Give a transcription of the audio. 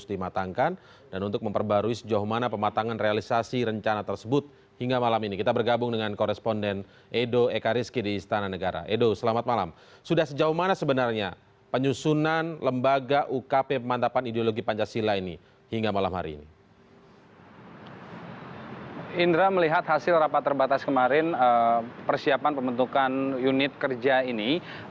indra melihat hasil rapat terbatas kemarin persiapan pembentukan unit kerja ini